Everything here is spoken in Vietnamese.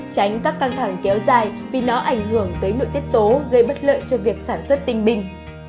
tránh các căng thẳng kéo dài vì nó ảnh hưởng tới nội tiết tố gây bất lợi cho việc sản xuất tinh binh